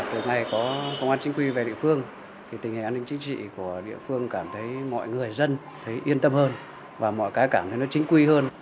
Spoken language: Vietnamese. từ ngày có công an chính quy về địa phương thì tình hình an ninh chính trị của địa phương cảm thấy mọi người dân thấy yên tâm hơn và mọi cái cảm thấy nó chính quy hơn